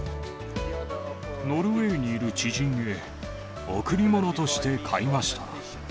ノルウェーにいる知人へ、贈り物として買いました。